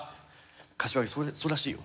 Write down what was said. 柏木そうらしいよ。